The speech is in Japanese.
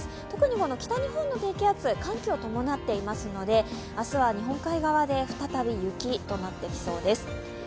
特に北日本の低気圧、寒気を伴っていますので、明日は日本海側で再び雪となってきそうです。